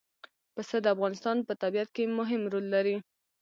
پسه د افغانستان په طبیعت کې مهم رول لري.